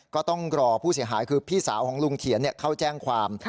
ก็ต้องรอผู้เสียหายคือพี่สาวของลุงเขียนเข้าแจ้งความ